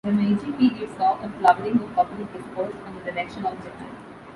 The Meiji period saw a flowering of public discourse on the direction of Japan.